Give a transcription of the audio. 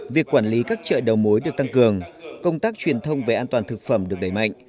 việc quản lý các chợ đầu mối được tăng cường công tác truyền thông về an toàn thực phẩm được đẩy mạnh